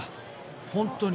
本当に。